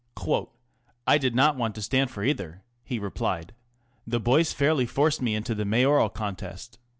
" I did not want to stand for either," he replied. " The boys fairly forced me into the Mayoral contest.